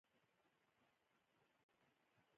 انا د صبر او زغم مثال ده